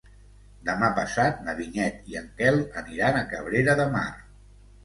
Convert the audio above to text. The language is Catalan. Demà passat na Vinyet i en Quel aniran a Cabrera de Mar.